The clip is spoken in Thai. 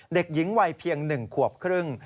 เด็กหญิงวัยเพียง๑ขวบครึ่ง